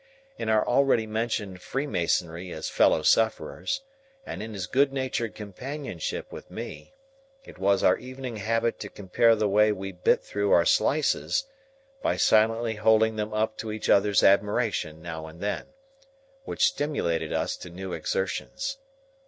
In our already mentioned freemasonry as fellow sufferers, and in his good natured companionship with me, it was our evening habit to compare the way we bit through our slices, by silently holding them up to each other's admiration now and then,—which stimulated us to new exertions.